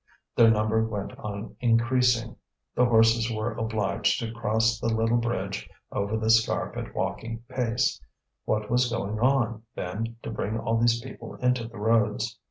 Their number went on increasing. The horses were obliged to cross the little bridge over the Scarpe at walking pace. What was going on, then, to bring all these people into the roads?